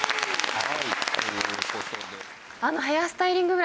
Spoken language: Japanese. はい。